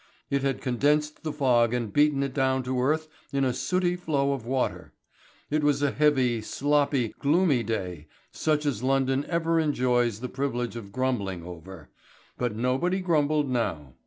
It had condensed the fog and beaten it down to earth in a sooty flow of water. It was a heavy, sloppy, gloomy day, such as London ever enjoys the privilege of grumbling over, but nobody grumbled now.